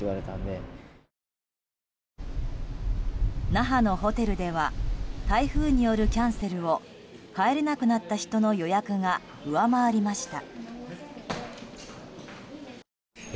那覇のホテルでは台風によるキャンセルを帰れなくなった人の予約が上回りました。